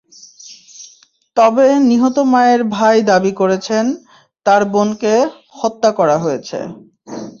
তবে নিহত মায়ের ভাই দাবি করেছেন, তাঁর বোনকে হত্যা করা হয়েছে।